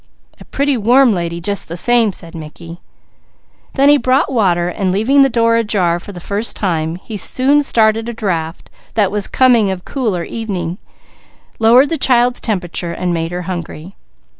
"A pretty warm lady, just the same," said Mickey. Then he brought water and leaving the door ajar for the first time, he soon started a draft; that with the coming of cooler evening lowered the child's temperature, and made her hungry.